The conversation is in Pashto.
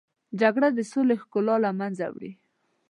جګړه د سولې ښکلا له منځه وړي